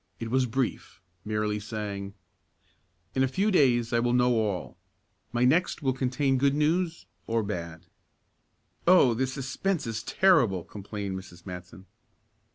It was brief, merely saying: "In a few days I will know all. My next will contain good news or bad." "Oh, this suspense is terrible," complained Mrs. Matson.